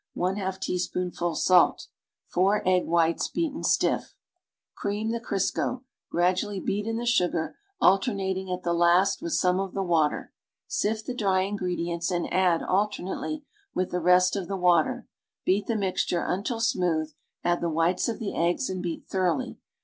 4 cupful water Ji teaspoonful salt 4 egg whites, beaten stiti' Cream the Crisco; gradually beat in the sugar, alternating at the last with some of the water. Sift the dry ingredients and add, alternately, with the rest of the water; beat the mixture until smooth, add the whites of the eggs and beat thoroughly.